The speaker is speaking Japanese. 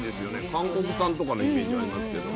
韓国産とかのイメージありますけど。